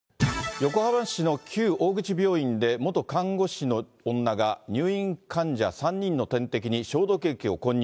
横浜市の旧大口病院で、元看護師の女が入院患者３人の点滴に消毒液を混入。